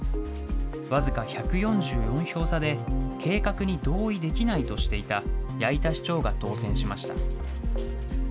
僅か１４４票差で、計画に同意できないとしていた八板市長が当選しました。